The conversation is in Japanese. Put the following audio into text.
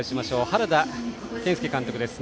原田健輔監督です。